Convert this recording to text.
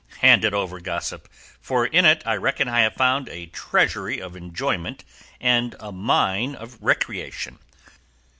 Hand it over, gossip, for in it I reckon I have found a treasury of enjoyment and a mine of recreation.